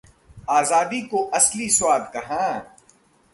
आजादी का असली स्वाद कहां